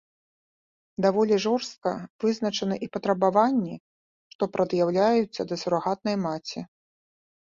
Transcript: Даволі жорстка вызначаны і патрабаванні, што прад'яўляюцца да сурагатнай маці.